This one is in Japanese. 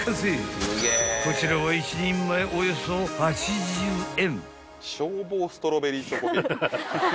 ［こちらは１人前およそ８０円］